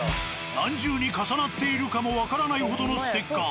何重に重なっているかもわからないほどのステッカー。